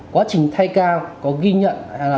quá trình thay ca có ghi nhận